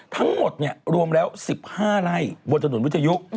ทั้งหมดรวมแล้ว๑๕ไร่บนถนนวิทยุ